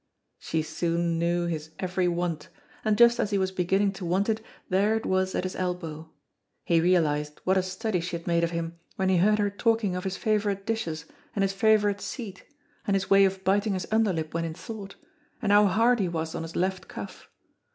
She soon knew his every want, and just as he was beginning to want it, there it was at his elbow. He realized what a study she had made of him when he heard her talking of his favorite dishes and his favorite seat, and his way of biting his underlip when in thought, and how hard he was on his left cuff.